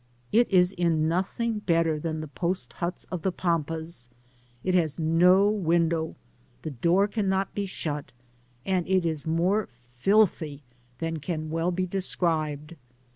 It is in nothing better than the post huts of the Pampas ; it has no window, the door cannot be shut, and it is more filthy than can well be described.